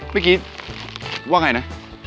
เมื่อกี้ว่าไงนะ